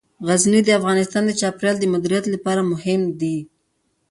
غزني د افغانستان د چاپیریال د مدیریت لپاره مهم دي.